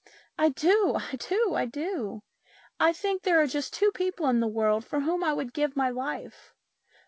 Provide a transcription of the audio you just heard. " I do ! I do ! I do ! I think there are just two people in the world for whom I would give my life.